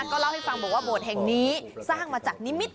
ก็เล่าให้ฟังบอกว่าโบสถ์แห่งนี้สร้างมาจากนิมิตร